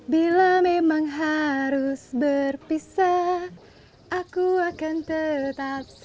bila memang harus berhenti mencari kejadian tapi prita tetap ada dalam jiwa